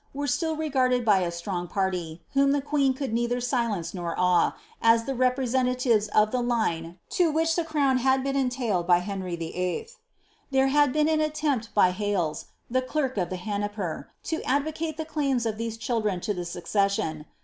were still regarded by a strong party, whom the queen could neither silence nor awe, as the representatives of the line to which the crown had been entailed by Henry VIII. There had been an attempt by liailes, the clerk of the hanaper, to advocate the claims of these cMildren to the succession.